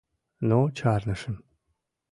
Но чарнышым.